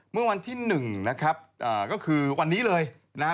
เมื่อวันที่๑นะครับก็คือวันนี้เลยนะฮะ